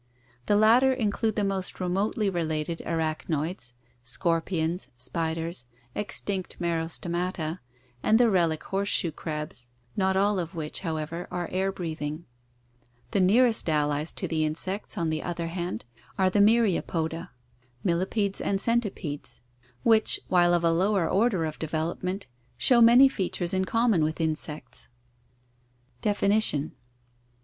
The latter include the more remotely related arachnoids — scorpions, spiders, extinct Merostomata and the relic horseshoe crabs — not all of which, however, are air breathing. The nearest allies to the insects, on the other hand, are the Myriapoda — millipeds and centi peds, which, while of a lower order of development, show many features in common with the insects. For a discussion of phylogeny, see pages 452~455 Definition.